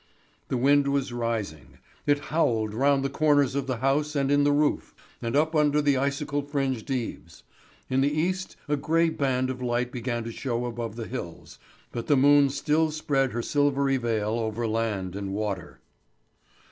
The wind was rising. It howled round the corners of the house and in the roof, and up under the icicle fringed eaves. In the east a grey band of light began to show above the hills, but the moon still spread her silvery veil over land and water.